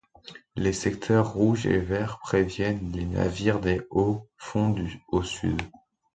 Les secteurs rouges et verts préviennent les navires des hauts-fonds au sud.